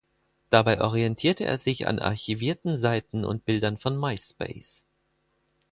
Dabei orientierte er sich an archivierten Seiten und Bildern von Myspace.